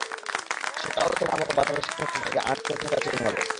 সেটাও তোমার মতো বাচালের সাথে একটা জায়গায় আঁটকে থাকার চেয়ে ভালো।